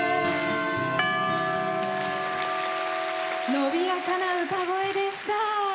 伸びやかな歌声でした。